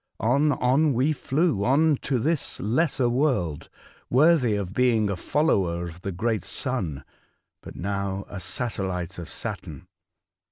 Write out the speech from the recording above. On, on we flew, on to this lesser world, worthy of being a follower of the great Sun, but now a satellite of Saturn.